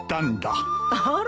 あら。